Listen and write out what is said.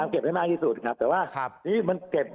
เก็บให้มากที่สุดครับแต่ว่านี่มันเก็บ